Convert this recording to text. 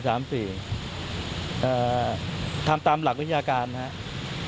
ทำตามหลักวิทยาการนะครับ